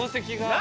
何？